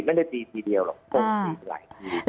ไม่ได้ตีทีเดียวหรอกกมตีหลายที